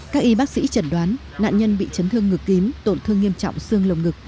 các y bác sĩ chẩn đoán nạn nhân bị chấn thương ngực kín tổn thương nghiêm trọng xương lồng ngực